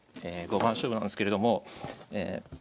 五番勝負なんですけれども。